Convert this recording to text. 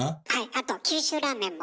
あと九州ラーメンも。